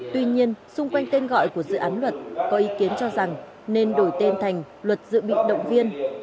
tuy nhiên xung quanh tên gọi của dự án luật có ý kiến cho rằng nên đổi tên thành luật dự bị động viên